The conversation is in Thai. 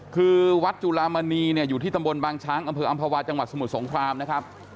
คือวัดจุลามณีเนี่ยอยู่ที่ตำบลบางช้างอำเภออำภาวาจังหวัดสมุทรสงครามนะครับ